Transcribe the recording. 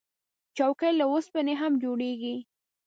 چوکۍ له اوسپنې هم جوړیږي.